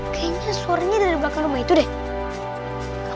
kayaknya suaranya dari belakang rumah itu deh